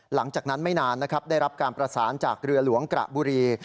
หลังจากนั้นไม่นานนะครับได้รับการประสานจากเรือหลวงกระบุรี